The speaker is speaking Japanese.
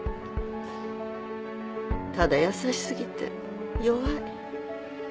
ただ優し過ぎて弱い